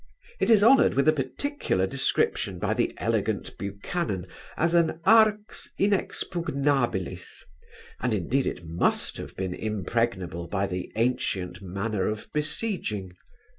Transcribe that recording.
It is honoured with a particular description by the elegant Buchanan, as an arx inexpugnabilis, and, indeed, it must have been impregnable by the antient manner of besieging.